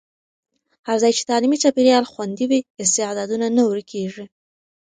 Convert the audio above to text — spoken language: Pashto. هر ځای چې تعلیمي چاپېریال خوندي وي، استعدادونه نه ورکېږي.